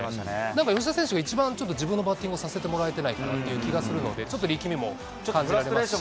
なんか吉田選手が一番、自分のバッティングをさせてもらってないかなっていう気がするので、ちょっと力みも感じますし。